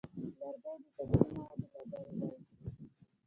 لرګی د طبیعي موادو له ډلې دی.